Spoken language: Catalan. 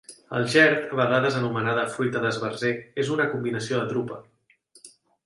El gerd, a vegades anomenada fruita d'esbarzer, és una combinació de drupa.